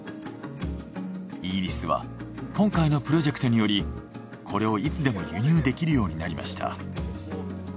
イギリスは今回のプロジェクトによりこれをいつでも輸入できるようになりました。